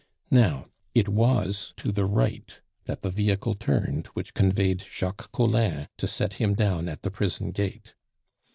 Now it was to the right that the vehicle turned which conveyed Jacques Collin to set him down at the prison gate.